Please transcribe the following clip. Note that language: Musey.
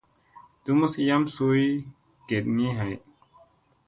Tumus yam suy geɗgii hay.